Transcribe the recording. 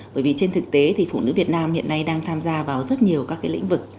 bởi vì trên thực tế thì phụ nữ việt nam hiện nay đang tham gia vào rất nhiều các cái lĩnh vực